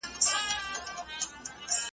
ښورواگاني يې څټلي د كاسو وې `